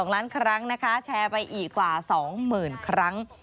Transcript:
๒ล้านครั้งนะคะแชร์ไปอีกกว่า๒๐๐๐ครั้ง